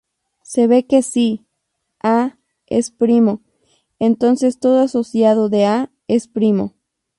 Se ve que si "a" es primo, entonces todo asociado de "a" es primo.